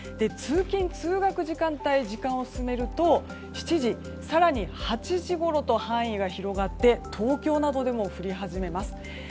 通勤・通学時間帯時間を進めると７時、更に８時ごろと範囲が広がって東京などでも降り始めます。